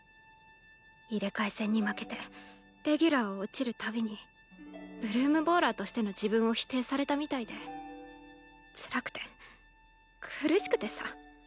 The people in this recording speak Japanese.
入れ替え戦に負けてレギュラーを落ちる度にブルームボーラーとしての自分を否定されたみたいでつらくて苦しくてさ。